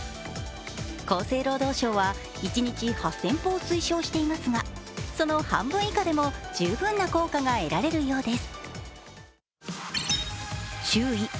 厚生労働省は、一日８０００歩を推奨していますが、その半分以下でも十分な効果が得られるようです。